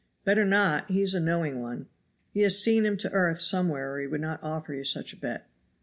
"Better not; he is a knowing one. He has seen him to earth somewhere or he would not offer you such a bet."